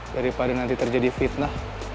daripada nanti terjadi fitnah